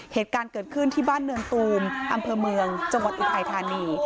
เหตุการณ์เกิดขึ้นที่บ้านเนินตูมอำเภอเมืองจังหวัดอุทัยธานี